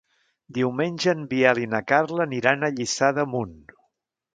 Diumenge en Biel i na Carla aniran a Lliçà d'Amunt.